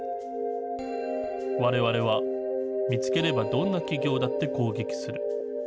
われわれは見つければ、どんな企業だって攻撃する。